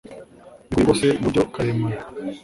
bihuye rwose mu buryo karemano